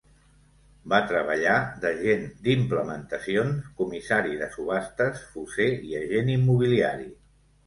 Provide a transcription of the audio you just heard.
Va treballar d'agent d'implementacions, comissari de subhastes, fosser i agent immobiliari.